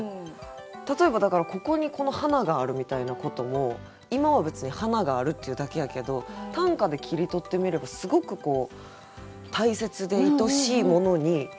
例えばだからここにこの花があるみたいなことも今は別に花があるっていうだけやけど短歌で切り取ってみればすごく大切でいとしいものになるかもしれない。